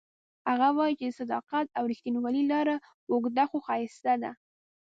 هغه وایي چې د صداقت او ریښتینولۍ لاره اوږده خو ښایسته ده